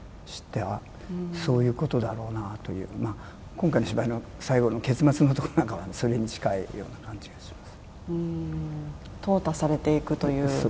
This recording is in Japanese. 今回の芝居、最後の結末のところなんかはそれに近いような感じがします。